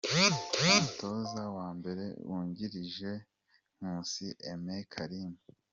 Umutoza wa mbere wungirije:Nkusi Aime Karim.